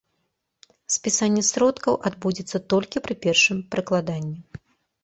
Спісанне сродкаў адбудзецца толькі пры першым прыкладанні.